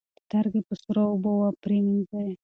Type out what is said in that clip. سترګې په سړو اوبو پریمنځئ.